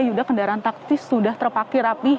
yuda kendaraan taktis sudah terpakir rapi